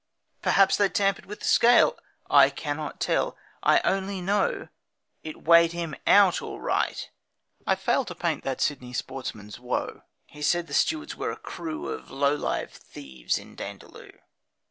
Perhaps they'd tampered with the scale! I cannot tell. I only know It weighed him OUT all right. I fail To paint that Sydney sportsman's woe. He said the stewards were a crew Of low lived thieves in Dandaloo.